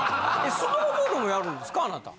スノーボードもやるんですかあなた。